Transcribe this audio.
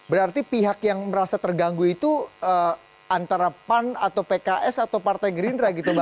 berarti pihak yang merasa terganggu itu antara pan atau pks atau partai gerindra gitu bang